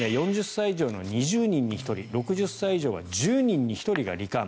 ４０歳以上の２０人に１人６０歳以上は１０人に１人が、り患。